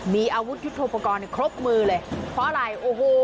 มีอาวุธที่โทษประกอบในครบมือเลยเพราะอะไรโอ้โห